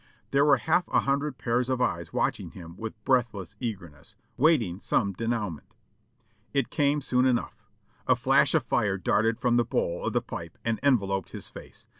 There were half a hundred pairs of eyes w^atching him with breathless eagerness, waiting some denouement. It came soon enough ! A flash of fire darted from the bowl of the pipe and enveloped his face.